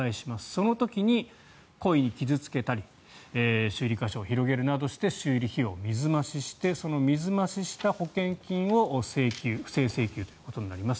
その時に、故意に傷付けたり修理箇所を広げるなどして修理費用を水増ししてその水増しした保険金を不正請求ということになります。